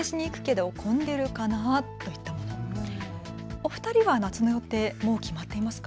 お二人は夏の予定、もう決まっていますか。